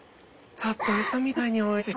ちょっとウソみたいにおいしい！